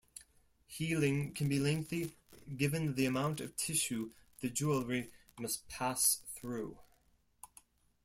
Healing can be lengthy given the amount of tissue the jewelry must pass through.